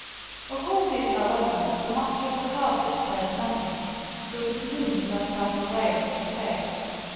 Of all this, however, the Master of the Harvest heard nothing, so the gloom did not pass away from his face.